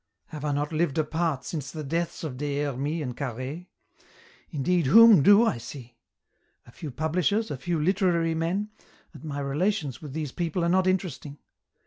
Have I not lived apart since the deaths of des Hermies and Carhaix ? Indeed, whom do I see ? A few publishers, a few literary men, and my relations with these people are not interesting.